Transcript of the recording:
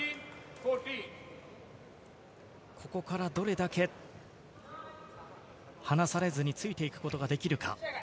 ここからどれだけ離されずについていくことができるか。